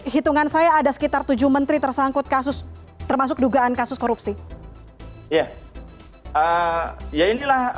hitungan saya ada sekitar tujuh menteri tersangkut kasus termasuk dugaan kasus korupsi ya inilah